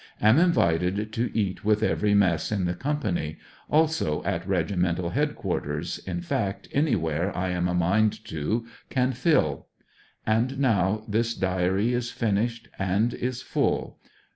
Am invited to eat with every mess in the company, also at regimental headquarters, in fact, anywhere I am a mind to, can fill. And now this Diary is finished and is full.